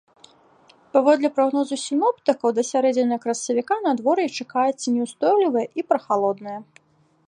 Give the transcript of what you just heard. Паводле прагнозу сіноптыкаў, да сярэдзіны красавіка надвор'е чакаецца няўстойлівае і прахалоднае.